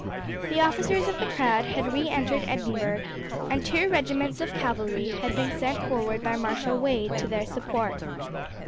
The officers of the crown had re entered Edinburgh and two regiments of cavalry had been sent forward by Marshal Wade to their support.